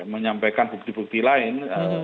menyampaikan bukti bukti lain